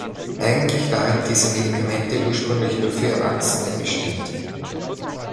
Eigentlich waren diese Medikamente ursprünglich nur für Erwachsene bestimmt.